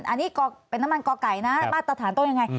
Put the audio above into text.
อันนี้เป็นน้ำมันก่อไก่นะมาตรฐานต้องยังไง